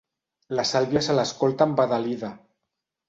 La Sàlvia se l'escolta embadalida.